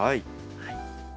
はい。